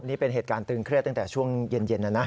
นี่เป็นเหตุการณ์ตึงเครียดตั้งแต่ช่วงเย็นนะนะ